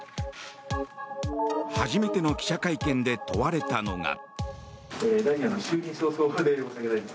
初めての記者会見で問われたのが。